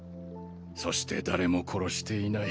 そして誰も殺していない。